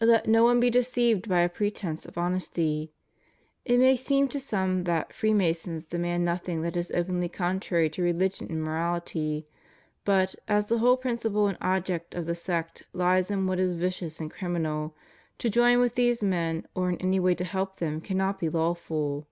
Let no one be deceived by a pretence of honesty. It may seem to some that Freemasons demand nothing that is openly contrary to religion and morahty; but, as the whole prin ciple and object of the sect lies in what is vicious and criminal, to join with these men or in any way to help them cannot be lawful.